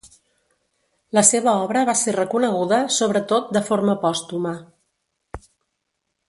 La seva obra va ser reconeguda sobretot de forma pòstuma.